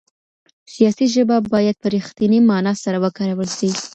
سياسي ژبه بايد په رښتني مانا سره وکارول سي.